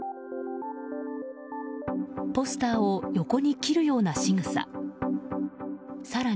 ポスターを横に切るようなしぐさ。